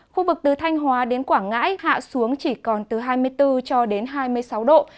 khu vực từ thanh hóa đến quảng ngãi hạ xuống chỉ còn từ hai mươi bốn cho đến hai mươi sáu độ